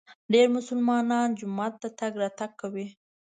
ډېر مسلمانان جومات ته تګ راتګ کوي.